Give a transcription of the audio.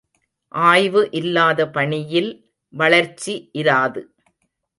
ஆய்வு இல்லாத பணியில் வளர்ச்சி இராது.